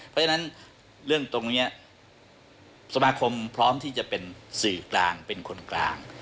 เพราะฉะนั้นเรื่องตรงนี้สมาคมพร้อมที่จะเป็นสื่อกลางเป็นคนกลาง